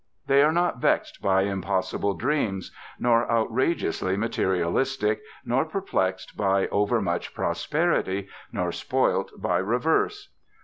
They are not vexed by impossible dreams, nor outrageously materialistic, nor perplexed by overmuch prosperity, nor spoilt by reverse.